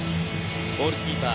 ゴールキーパー。